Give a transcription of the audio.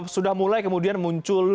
sudah mulai kemudian muncul